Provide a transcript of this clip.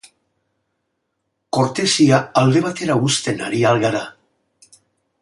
Kortesia alde batera uzten ari al gara?